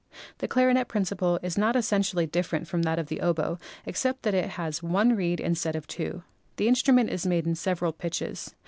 The clarinet principle is not essentially different from that of the oboe, except that it has one reed instead of two. The instrument is made in several pitches.